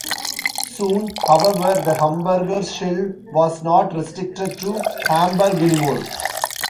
Soon, however, the "Hamburger Schule" was not restricted to Hamburg anymore.